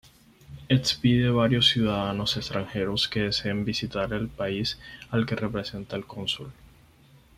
Expide varios ciudadanos extranjeros que desean visitar el país al que representa el cónsul.